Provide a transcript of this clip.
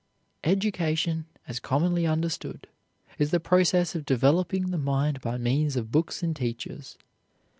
Education, as commonly understood, is the process of developing the mind by means of books and teachers.